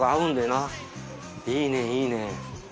いいねいいね。